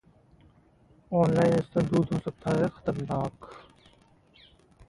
online स्तन दूध हो सकता है खतरनाक